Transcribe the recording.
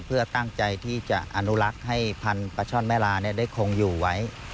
เพื่อตั้งใจที่จะอนุรักษ์ให้พันธุ์ปลาช่อนแม่ลาได้คงอยู่ไว้